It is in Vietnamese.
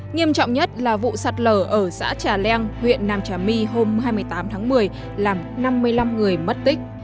nghiêm trọng nhất là vụ sạt lở ở xã trà leng huyện nam trà my hôm hai mươi tám tháng một mươi làm năm mươi năm người mất tích